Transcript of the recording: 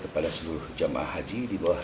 kepada seluruh jemaah haji di bawah